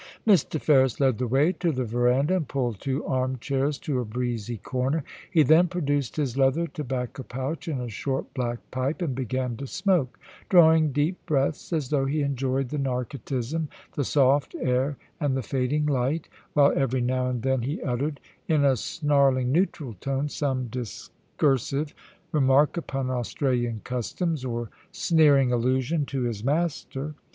Mr. Ferris led the way to the verandah, and pulled two arm chairs to a breezy corner. He then produced his leather tobacco pouch and a short black pipe, and began to smoke, drawing deep breaths, as though he enjoyed the narcotism, the soft air and the fading light, while every now and then he uttered in a snarling, neutral tone, some discur sive remark upon Australian customs, or sneering allusion to his master.